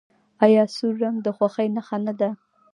آیا سور رنګ د خوښۍ نښه نه ده؟